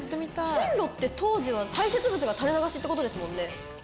線路って、当時は排せつ物が垂れ流しということですもんね。